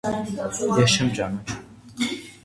- Ես չեմ ճանաչում: